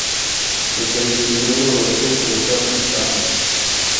Gusaba ikintu biroroshye kurusha kugitanga…